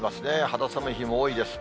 肌寒い日も多いです。